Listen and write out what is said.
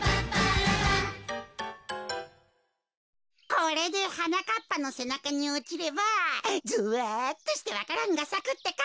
これではなかっぱのせなかにおちればゾワっとしてわか蘭がさくってか。